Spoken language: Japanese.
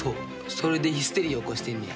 それでヒステリー起こしてんねや。